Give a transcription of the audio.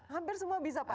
hampir semua bisa pak